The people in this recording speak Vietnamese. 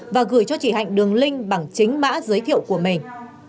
và gửi cho chị hạnh đường link bằng chính mã giới thiệu của mình